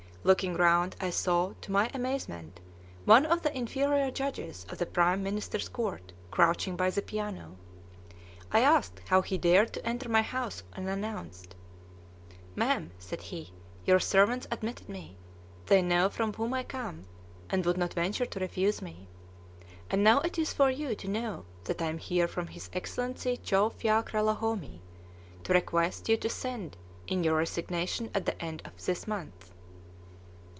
Looking round, I saw, to my amazement, one of the inferior judges of the prime minister's court crouching by the piano. I asked how he dared to enter my house unannounced. "Mam," said he, "your servants admitted me; they know from whom I come, and would not venture to refuse me. And now it is for you to know that I am here from his Excellency Chow Phya Kralahome, to request you to send in your resignation at the end of this month."